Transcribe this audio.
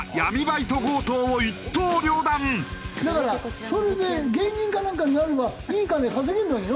だからそれで芸人かなんかになればいい金稼げるのによ。